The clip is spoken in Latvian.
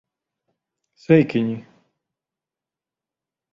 Sveikiņi!